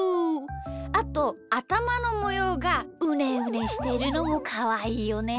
あとあたまのもようがうねうねしてるのもかわいいよね。